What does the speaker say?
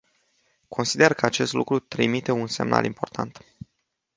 Consider că acest lucru trimite un semnal important.